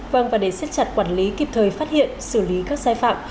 vâng và để siết chặt quản lý kịp thời phát hiện xử lý các sai phạm